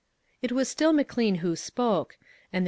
It was still McLean who spoke, and there LOGIC.